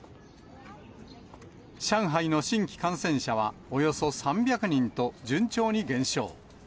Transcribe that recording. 上海の新規感染者はおよそ３００人と順調に減少。